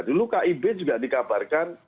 dulu kib juga dikabarkan